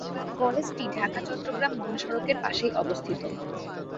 কলেজটি ঢাকা-চট্টগ্রাম মহাসড়কের পাশেই অবস্থিত।